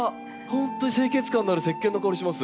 本当に清潔感のあるせっけんの香りします。